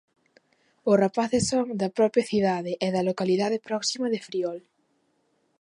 Os rapaces son da propia cidade e da localidade próxima de Friol.